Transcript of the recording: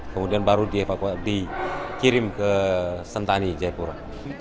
kemudian baru dikirim ke sentani jayapura